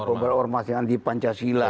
pembalas ormas yang di pancasila